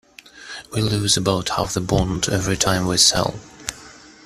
We lose about half the bond every time we sell.